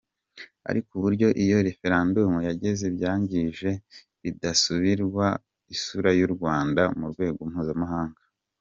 Ariko uburyo iyo Referandumu yagenze byangije bidasubirwaho isura y’u Rwanda mu rwego mpuzamahanga.